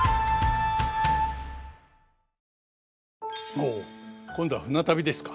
ほう今度は船旅ですか。